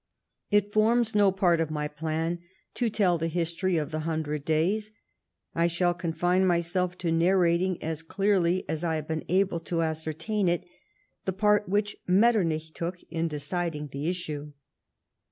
It forms no part of my plan to tell the history of the Hundred Days. I shall confine myself to narrating, as clearly as I have been able to ascertain it, the part which Metternich took in deciding the issue.